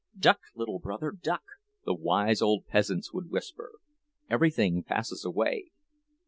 "Duck, little brother, duck," the wise old peasants would whisper; "everything passes away."